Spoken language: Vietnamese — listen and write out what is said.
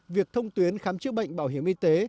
việc thông tuyến khám chữa bệnh bảo hiểm y tế